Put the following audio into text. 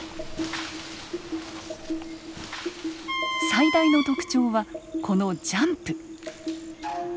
最大の特徴はこのジャンプ。